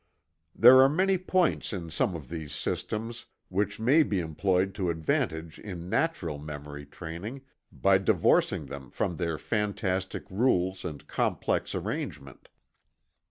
There are many points in some of these "systems" which may be employed to advantage in natural memory training, by divorcing them from their fantastic rules and complex arrangement.